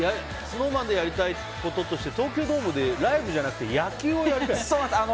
ＳｎｏｗＭａｎでやりたいこととして東京ドームでライブじゃなくて野球をやりたいの？